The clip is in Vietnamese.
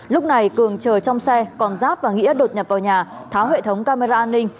lúc này cường chờ trong xe còn giáp và nghĩa đột nhập vào nhà tháo hệ thống camera an ninh